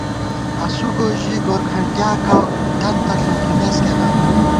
اسُو گوئی ژی گورکھنٹیاکہ دنتہ ݪوکِمېس کېنا